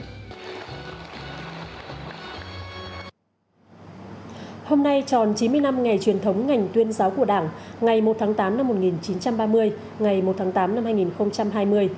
hôm nay tròn chín mươi năm ngày truyền thống ngành tuyên giáo của đảng ngày một tháng tám năm một nghìn chín trăm ba mươi ngày một tháng tám năm hai nghìn hai mươi